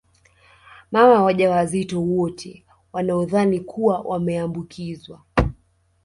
Mama waja wazito wote wanaodhani kuwa wameambukizwa